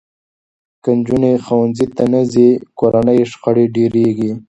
که نجونې ښوونځي ته نه ځي، کورني شخړې ډېرېږي.